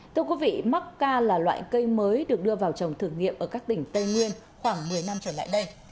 thưa quý vị mắc ca là loại cây mới được đưa vào trồng thử nghiệm ở các tỉnh tây nguyên khoảng một mươi năm trở lại đây